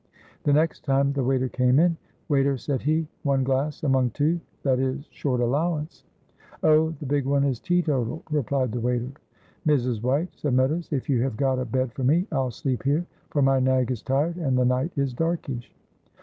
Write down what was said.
The next time the waiter came in, "Waiter," said he, "one glass among two, that is short allowance." "Oh! the big one is teetotal," replied the waiter. "Mrs. White," said Meadows, "if you have got a bed for me I'll sleep here, for my nag is tired and the night is darkish."